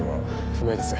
不明です。